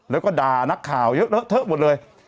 แล้วก็ด่านักข่าวเยอะเลอะเทอะหมดเลย